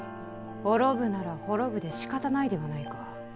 滅ぶなら滅ぶでしかたないではないか。